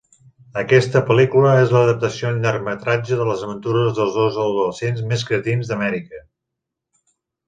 Aquesta pel·lícula és l'adaptació en llargmetratge de les aventures dels dos adolescents més cretins d'Amèrica.